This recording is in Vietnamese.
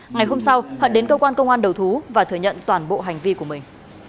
ngày hôm sau hận đến cơ quan công an đầu thú và thừa nhận toàn bộ hành vi của mình